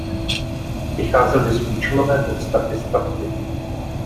Vycházeli z účelové podstaty stavby.